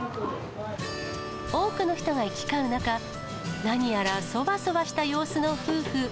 多くの人が行き交う中、何やらそわそわした様子の夫婦。